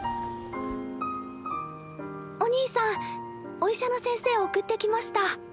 おにいさんお医者の先生送ってきました。